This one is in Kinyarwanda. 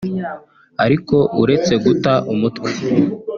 Ariko uretse guta umutwe